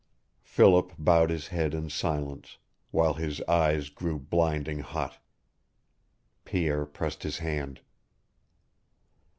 Philip bowed his head in silence, while his eyes grew blinding hot. Pierre pressed his hand.